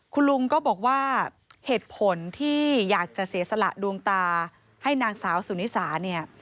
คุณลุงก็บอกว่าเหตุผลที่อยากจะเสียสละดวงตาให้นางสาวสุนิสาเนี่ย